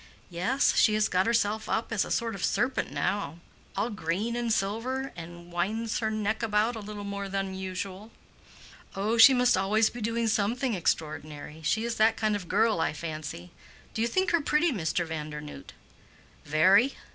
"Yes, she has got herself up as a sort of serpent now—all green and silver, and winds her neck about a little more than usual." "Oh, she must always be doing something extraordinary. She is that kind of girl, I fancy. Do you think her pretty, Mr. Vandernoodt?" "Very.